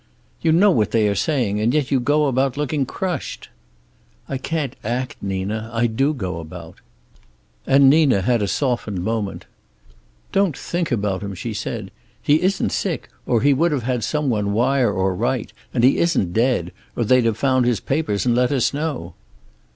"You know what they are saying, and yet you go about looking crushed." "I can't act, Nina. I do go about." And Nina had a softened moment. "Don't think about him," she said. "He isn't sick, or he would have had some one wire or write, and he isn't dead, or they'd have found his papers and let us know."